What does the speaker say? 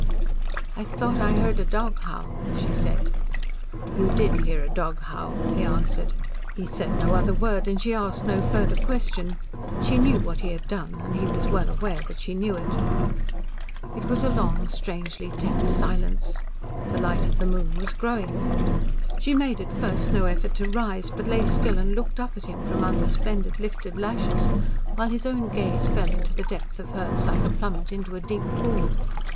"I thought I heard a dog howl," she said. "You did hear a dog howl," he answered. He said no other word, and she asked no further question. She knew what he had done, and he was well aware that she knew it. There was a long, strangely tense silence. The light of the moon was growing. She made at first no effort to rise, but lay still and looked up at him from under splendid lifted lashes, while his own gaze fell into the depth of hers like a plummet into a deep pool.